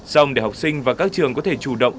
xong để học sinh và các trường có thể chủ động